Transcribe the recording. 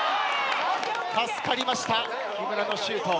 助かりました木村のシュート。